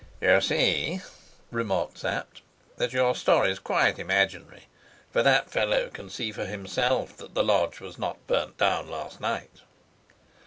"You see," remarked Sapt, "that your story is quite imaginary. For that fellow can see for himself that the lodge was not burnt down last night."